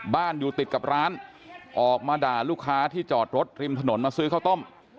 อยู่ติดกับร้านออกมาด่าลูกค้าที่จอดรถริมถนนมาซื้อข้าวต้ม